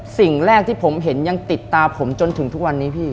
สิ่งแรกที่ผมเห็นยังติดตาผมจนถึงทุกวันนี้พี่